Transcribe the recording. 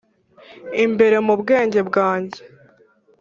imbere mu bwenge bwanjye